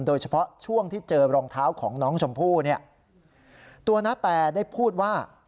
โดยเฉพาะช่วงที่เจอรองเท้าของน้องชมพู่เนี่ยตัวนาแตได้พูดว่า